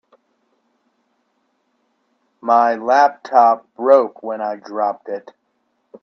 My laptop broke when I dropped it.